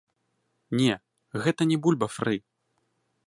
Не, гэта не бульба-фры.